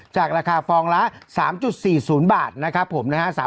จากราคาฟองละ๓๔๐บาทนะครับผมนะฮะ